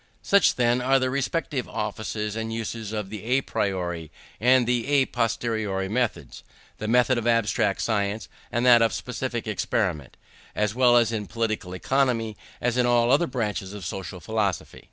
Such, then, are the respective offices and uses of the à priori and the à posteriori methods the method of abstract science, and that of specific experiment as well in Political Economy, as in all the other branches of social philosophy.